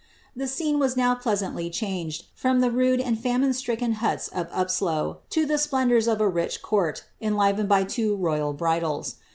The scene was now pleasantly changed, from the rude and famine stricken huts of Upslo,* to all the splendours of a rich court, enlivened by two royal bridals.